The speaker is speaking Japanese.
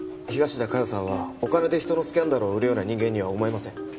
東田加代さんはお金で人のスキャンダルを売るような人間には思えません。